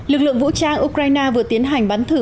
lực lượng vũ trang ukraine vừa tiến hành bắn thử